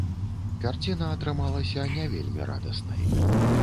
Карціна атрымалася не вельмі радаснай.